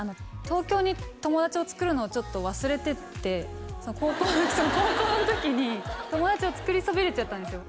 東京に友達をつくるのをちょっと忘れてて高校の時に友達をつくりそびれちゃったんですよ